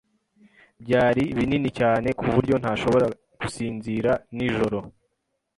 Byari binini cyane ku buryo ntashobora gusinzira nijoro.